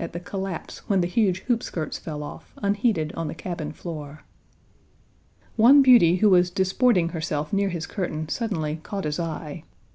Page 52 at the collapse when the huge hoop skirts fell off, unheeded on the cabin floor." One beauty who was disporting herself near his curtain suddenly caught his eye.